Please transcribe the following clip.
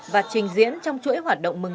và trình diễn trong chuỗi hoạt động mừng